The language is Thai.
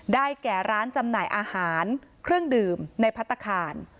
แก่ร้านจำหน่ายอาหารเครื่องดื่มในพัฒนาคาร